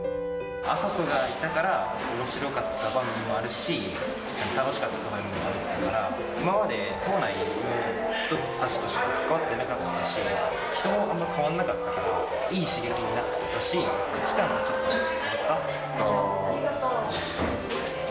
暁里がいたから、おもしろかった場面もあるし、楽しかった場面もあるから、今まで、島内の人たちとしか関わってなかったし、人もあんま変わんなかったから、いい刺激になったし、価値観がちありがとう。